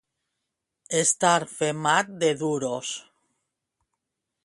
Estar femat de duros.